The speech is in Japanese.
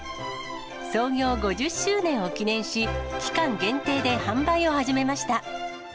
創業５０周年を記念し、期間限定で販売を始めました。